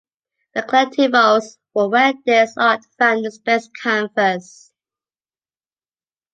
The colectivos were where this art found its best canvas.